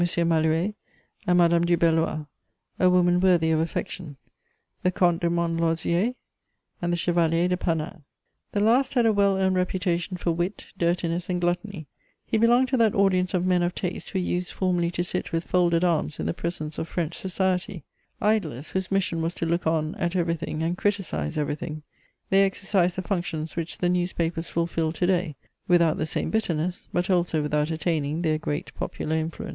Malouet and Madame du Belloy, a woman worthy of affection, the Comte de Montlosier and the Chevalier de Panat. The last had a well earned reputation for wit, dirtiness, and gluttony; he belonged to that audience of men of taste who used formerly to sit with folded arms in the presence of French society: idlers whose mission was to look on at everything and criticize everything; they exercised the functions which the newspapers fulfill to day, without the same bitterness, but also without attaining their great popular influence.